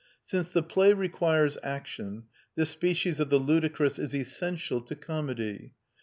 Since the play requires action, this species of the ludicrous is essential to comedy.